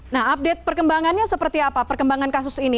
nah update perkembangannya seperti apa perkembangan kasus ini